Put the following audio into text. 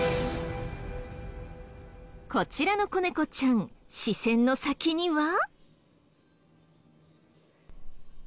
こちらの子猫ちゃん視線の先には。